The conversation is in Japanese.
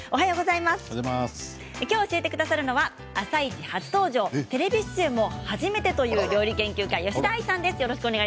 今日教えてくださるのは「あさイチ」初登場テレビ出演も初めてという料理研究家の吉田愛さんです。